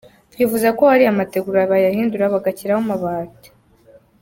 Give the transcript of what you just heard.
Twifuza ko ariya mategura bayahindura bagashyiraho amabati”.